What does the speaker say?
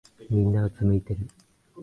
みんなうつむいてる。